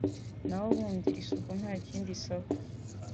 naho ubundi isuku nta kindi isaba